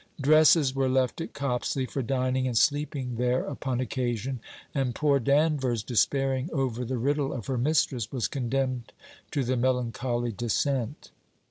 Dresses were left at Copsley for dining and sleeping there upon occasion, and poor Danvers, despairing over the riddle of her mistress, was condemned to the melancholy descent.